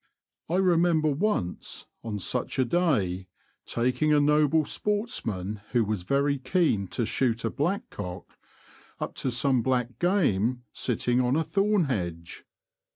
I remember once, on such a day, taking a noble sportsman who was very keen to shoot a blackcock, up to some black game sitting on a thorn hedge.